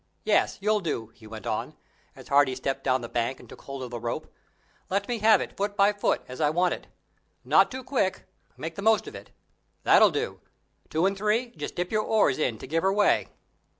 Yes, you'll do," he went on, as Hardy stepped down the bank and took hold of the rope; "let me have it foot by foot as I want it. Not too quick; make the most of it that'll do. Two and Three, just dip your oars in to give her way."